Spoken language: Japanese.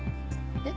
えっ？